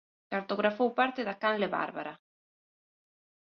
Cartografou parte da canle Bárbara.